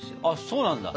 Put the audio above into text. そうなんだ。